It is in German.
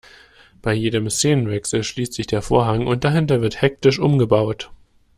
Bei jedem Szenenwechsel schließt sich der Vorhang und dahinter wird hektisch umgebaut.